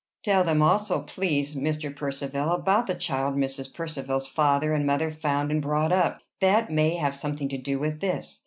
"Tell them also, please, Mr. Percivale, about the child Mrs. Percivale's father and mother found and brought up. That may have something to do with this."